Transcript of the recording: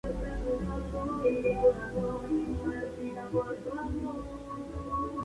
que vosotros hubierais partido